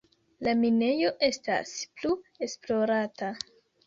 La minejo estas plu esplorata.